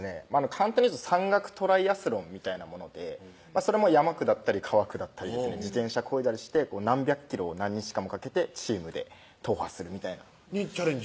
簡単に言うと山岳トライアスロンみたいなものでそれも山下ったり川下ったり自転車こいだりして何百ｋｍを何日間もかけてチームで踏破するみたいなにチャレンジ？